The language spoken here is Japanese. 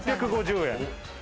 ６５０円。